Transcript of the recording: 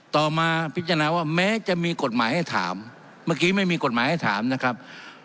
ต่อมาพิจารณาว่าแม้จะมีกฎหมายให้ถามเมื่อกี้ไม่มีกฎหมายให้ถามนะครับ